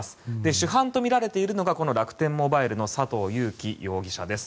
主犯とみられているのが楽天モバイルの佐藤友紀容疑者です。